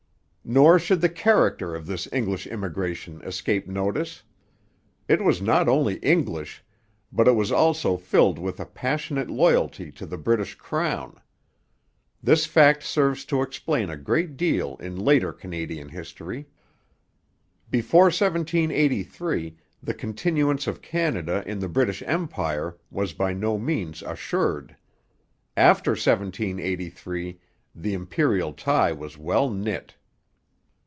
Nor should the character of this English immigration escape notice. It was not only English; but it was also filled with a passionate loyalty to the British crown. This fact serves to explain a great deal in later Canadian history. Before 1783 the continuance of Canada in the British Empire was by no means assured: after 1783 the Imperial tie was well knit.